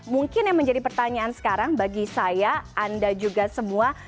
mungkin yang menjadi pertanyaan sekarang bagi saya anda juga semua